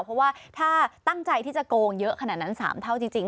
เพราะว่าถ้าตั้งใจที่จะโกงเยอะขนาดนั้น๓เท่าจริง